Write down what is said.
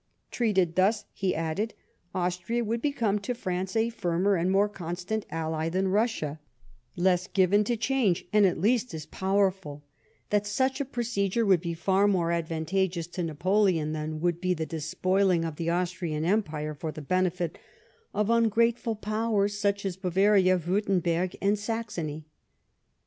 Treated thus, he added, Austria would become to France a firmer and more constant ally than Russia ; less given to change, and at least as powerful ; that such a procedure would be far more advantageous to Napoleon than would be the despoiling of the Austrian Empire for the benefit of ungrateful Powers such as Bavaria, Wiirtemberg, and Saxony.